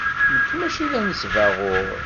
Nekk maci d anesbaɣur.